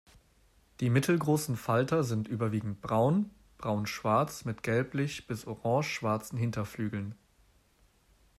Die mittelgroßen Falter sind überwiegend braun, braunschwarz mit gelblich bis orange-schwarzen Hinterflügeln.